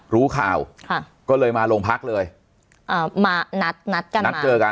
รู้ข่าวค่ะก็เลยมาโรงพักเลยอ่ามานัดนัดกันนัดเจอกัน